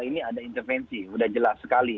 ini ada intervensi sudah jelas sekali